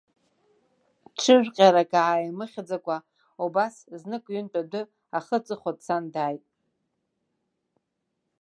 Ҽыжәҟьарак ааимыхьӡакәа, убас знык-ҩынтә адәы ахы-аҵыхәа дцан дааит.